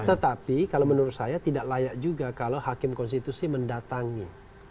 tetapi kalau menurut saya tidak layak juga kalau hakim konstitusi mendatangi